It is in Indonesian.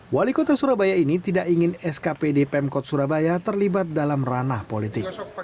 wali kota surabaya ini tidak ingin skpd pemkot surabaya terlibat dalam ranah politik